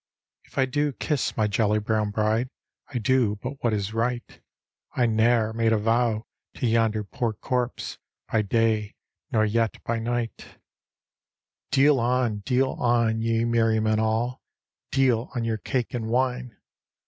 "" If I do kis5 my jolly brown bride, I do but what is right; I ne'er made a vow to yonder poor corpse, By day, nor yet by night" D,gt,, erihyGOOgle The Haunted Hour " Deal on, deal on, ye meriymen all, Deal on your cake and wine.